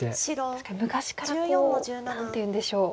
確かに昔から何ていうんでしょう。